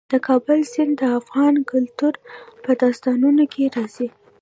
د کابل سیند د افغان کلتور په داستانونو کې راځي.